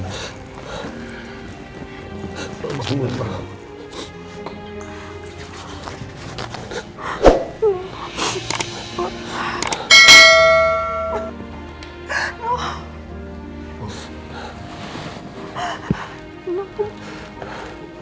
mama harus kuat pak